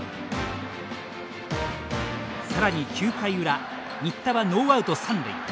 さらに９回裏新田はノーアウト、三塁。